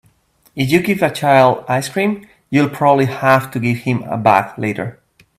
If you give a child ice cream, you'll probably have to give him a bath later.